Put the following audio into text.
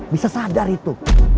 bisa sadar itu